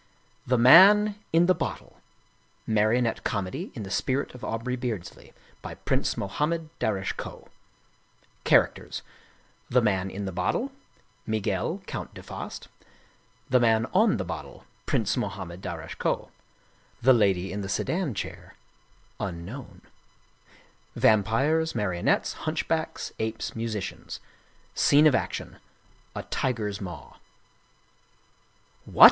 10 Gustav Meyrink THE MAN IN THE BOTTLE Marionette Comedy in the Spirit of Aubrey Beardsley By PRINCE MOHAMMED DARASCHE KOH CHARACTERS: THE MAN IN THE BOTTLE Miguel, Count deFaast THE MAN ON THE BOTTLE Prince Mohammed Darasche Koh THE LADY IN THE SEDAN CHAIR VAMPIRES, MARIONETTES, HUNCHBACKS, APES, MUSICIANS Scene of Action: A Tiger's Maw " What